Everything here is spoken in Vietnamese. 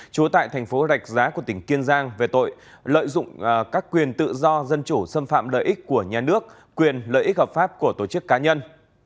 trú tại thành phố rạch giá của tỉnh kiên giang về tội lợi dụng các quyền tự do dân chủ xâm phạm lợi ích của nhà nước quyền lợi ích hợp pháp của tổ chức cá nhân